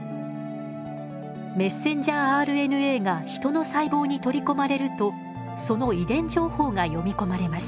ｍＲＮＡがヒトの細胞に取り込まれるとその遺伝情報が読み込まれます。